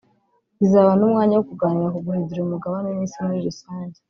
izaba n’umwanya wo kuganira ku guhindura uyu mugabane n’Isi muri rusange